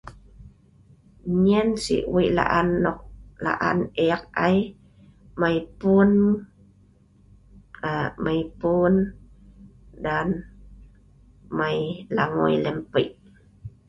Nyen si laan eek ai mai pun dan mai lagoi lem pi'.